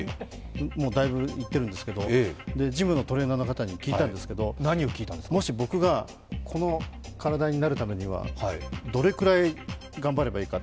だいぶ行っているんですけど、ジムのトレーナーの方に聞いたんですけど、もし僕がこの体になるためにはどれくらい頑張ればいいか。